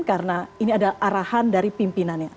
karena ini adalah arahan dari pimpinannya